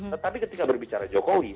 tetapi ketika berbicara jokowi